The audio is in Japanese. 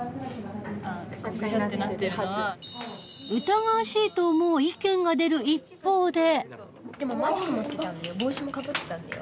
疑わしいと思う意見が出る一方で。